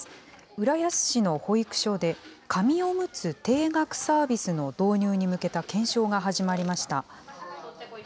浦安市の保育所で、紙おむつ定額サービスの導入に向けた検証が始まりました。